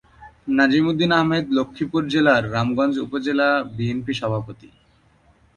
নাজিম উদ্দিন আহমেদ লক্ষ্মীপুর জেলার রামগঞ্জ উপজেলা বিএনপি সভাপতি।